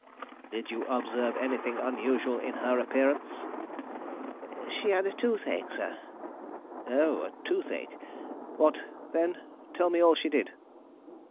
"Did you observe anything unusual in her appearance?" "She had a toothache, sir." "Oh, a toothache; what, then? Tell me all she did."